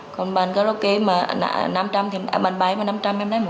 còn bán karaoke mà năm trăm linh bán bái mà năm trăm linh em lấy một trăm linh